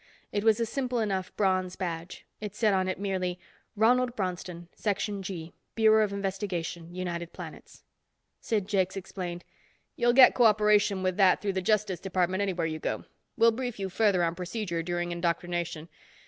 It was a simple enough bronze badge. It said on it, merely, Ronald Bronston, Section G, Bureau of Investigation, United Planets. Sid Jakes explained. "You'll get co operation with that through the Justice Department anywhere you go. We'll brief you further on procedure during indoctrination.